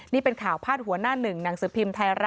นี่เป็นข่าวพาดหัวหน้าหนึ่งหนังสือพิมพ์ไทยรัฐ